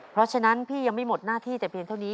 เพราะฉะนั้นพี่ยังไม่หมดหน้าที่แต่เพียงเท่านี้